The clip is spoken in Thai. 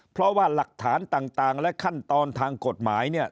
เพราะว่าหลักฐานต่างและขั้นตอนทางกฎหมาย